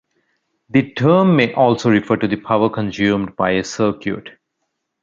The term may also refer to the power consumed by a circuit.